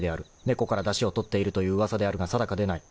［猫からだしを取っているという噂であるが定かでない］